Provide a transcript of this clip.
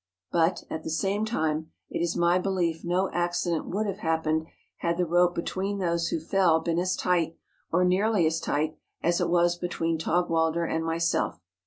But, at the same time, it is my belief no accident would have happened had the rope between those who fell been as tight, or nearly as tight, as it was between Taugwalder and myself.